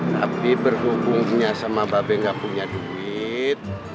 tapi berhubungnya sama bapak gak punya duit